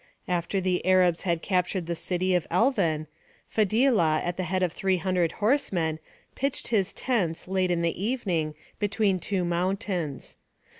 After the Arabs had captured the city of Elvan, Fadhilah, at the head of three hundred horsemen, pitched his tents, late in the evening, between two mountains.